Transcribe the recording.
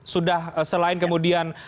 sudah selain kemudian